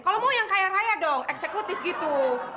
kalau mau yang kaya raya dong eksekutif gitu